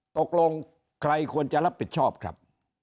ตกลงใครควรจะรับผิดชอบครับ